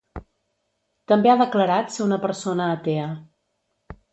També ha declarat ser una persona atea.